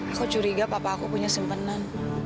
aku curiga papa aku punya simpenan